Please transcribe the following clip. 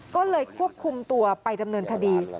ก็เลยควบคุมตัวไปดำเนินคดี